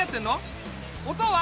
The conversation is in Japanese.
音は？